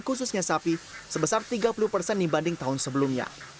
khususnya sapi sebesar tiga puluh persen dibanding tahun sebelumnya